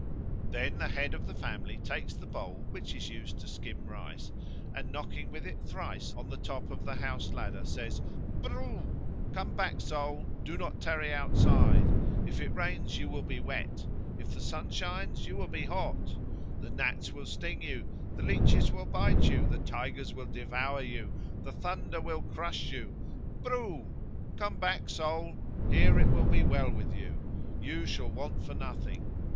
Then the head of the family takes the bowl which is used to skim rice, and knocking with it thrice on the top of the houseladder says: "Prrrroo! Come back, soul, do not tarry outside! If it rains, you will be wet. If the sun shines, you will be hot. The gnats will sting you, the leeches will bite you, the tigers will devour you, the thunder will crush you. Prrrroo! Come back, soul! Here it will be well with you. You shall want for nothing.